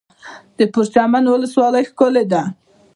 د پرچمن ولسوالۍ ښکلې ده